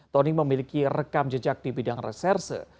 tony memiliki rekam jejak di bidang reserse